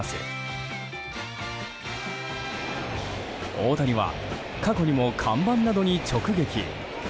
大谷は過去にも看板などに直撃。